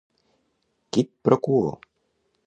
Quid pro quo.